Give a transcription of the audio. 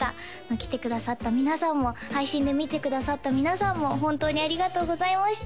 来てくださった皆さんも配信で見てくださった皆さんも本当にありがとうございました